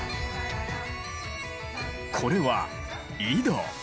これは井戸。